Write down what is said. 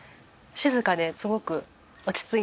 静かですごく落ち着いています。